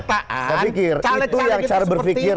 saya pikir itu yang cara berpikir